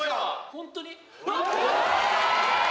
・ホントに？